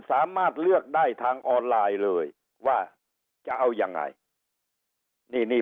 สามารถเลือกได้ทางออนไลน์เลยว่าจะเอายังไงนี่นี่